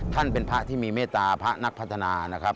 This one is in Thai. ท่านเป็นพระที่มีเมตตาพระนักพัฒนานะครับ